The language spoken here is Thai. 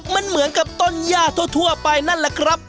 มันเหมือนกับต้นย่าทั่วไปนั่นแหละครับ